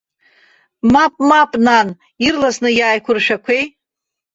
Мап, мап, нан, ирласны иааиқәыршәақәеи.